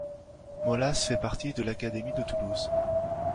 Molas fait partie de l'académie de Toulouse.